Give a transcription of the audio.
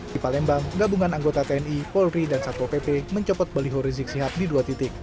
di palembang gabungan anggota tni polri dan satpol pp mencopot baliho rizik sihab di dua titik